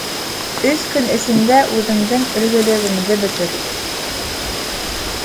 - Өс көн эсендә үҙеңдең өлгөлөгөңдө бөтөр!